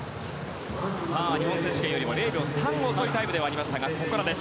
日本選手権よりも０秒３遅いタイムではありましたがここからです。